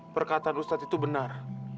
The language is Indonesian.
perkataan ustadz itu benar